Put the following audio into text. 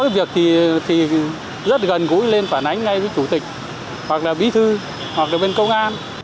việc thì rất gần gũi lên phản ánh ngay với chủ tịch hoặc là bí thư hoặc là bên công an